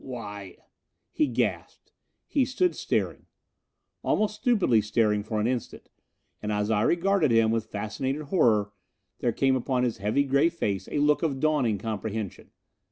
"Why " He gasped. He stood staring. Almost stupidly staring for an instant. And as I regarded him with fascinated horror, there came upon his heavy gray face a look of dawning comprehension.